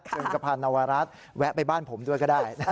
คุณสะพานนวรัฐแวะไปบ้านผมด้วยก็ได้